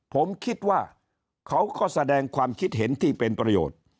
ผมคิดว่าเขาก็แสดงความคิดเห็นที่เป็นประโยชน์